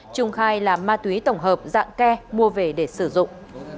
trung khai là ma túy tổng hợp dạng ke mua về để sử dụng